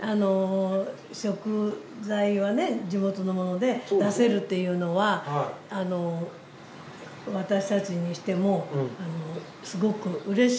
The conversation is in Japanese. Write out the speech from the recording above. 食材は地元のもので出せるっていうのは私たちにしてもすごくうれしいことですね。